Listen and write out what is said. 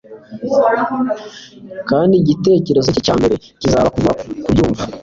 kandi igitereko cye cya mbere kizaba kuva kubyumva